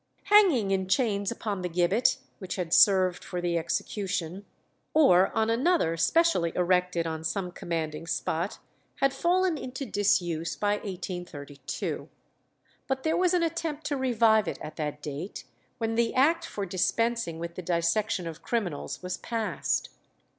Hanging in chains upon the gibbet which had served for the execution, or on another specially erected on some commanding spot, had fallen into disuse by 1832. But there was an attempt to revive it at that date, when the act for dispensing with the dissection of criminals was passed.